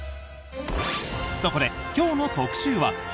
そこで今日の特集は。